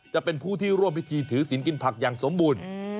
จะเป็นผู้ที่ร่วมพิธีถือศิลปกินผักอย่างสมบูรณ์